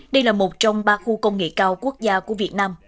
đây là một trong ba khu công nghệ cao quốc gia của việt nam